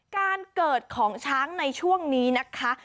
การเกิดของช้างในช่วงนี้นะคะ